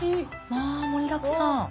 まぁ盛りだくさん。